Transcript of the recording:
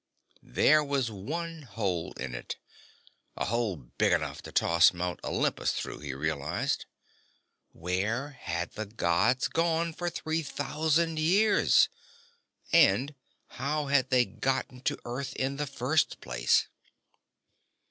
There was one hole in it a hole big enough to toss Mount Olympus through, he realized. Where had the Gods gone for three thousand years? And how had they gotten to Earth in the first place?